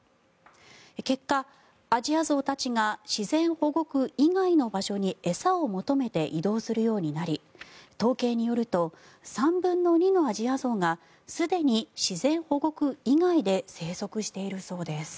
結果、アジアゾウたちが自然保護区以外の場所に餌を求めて移動するようになり統計によると３分の２のアジアゾウがすでに自然保護区以外で生息しているそうです。